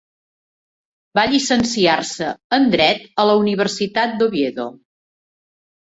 Va llicenciar-se en Dret a la Universitat d'Oviedo.